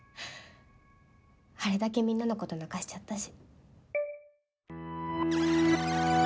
あれだけみんなのこと泣かしちゃったし。